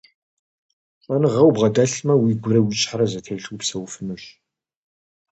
ЩӀэныгъэ убгъэдэлъмэ, уигурэ уи щхьэрэ зэтелъу упсэуфынущ.